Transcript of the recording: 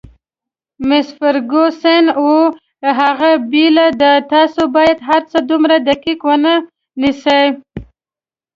مس فرګوسن: اوه، هغه بېله ده، تاسي باید هرڅه دومره دقیق ونه نیسئ.